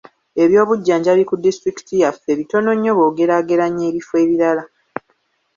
Ebyobujjanjabi ku disitulikiti yaffe bitono nnyo bw'ogeraageranya ebifo ebirala.